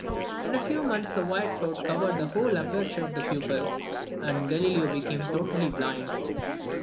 In a few months the white cloud covered the whole aperture of the pupil, and Galileo became totally blind.